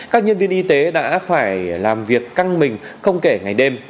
các nhân viên y tế đã phải làm việc căng mình không kể ngày đêm